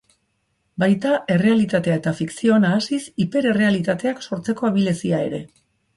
Baita errealitatea eta fikzioa nahasiz, hiper-errealitateak sortzeko abilezia ere.